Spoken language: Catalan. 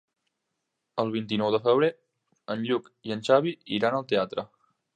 El vint-i-nou de febrer en Lluc i en Xavi iran al teatre.